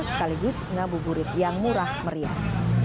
sekaligus ngabuburit yang murah meriah